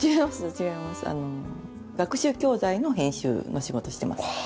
あの学習教材の編集の仕事してます。